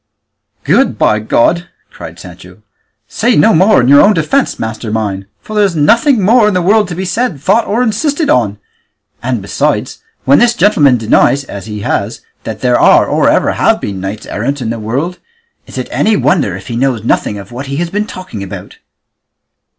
"Good, by God!" cried Sancho; "say no more in your own defence, master mine, for there's nothing more in the world to be said, thought, or insisted on; and besides, when this gentleman denies, as he has, that there are or ever have been any knights errant in the world, is it any wonder if he knows nothing of what he has been talking about?"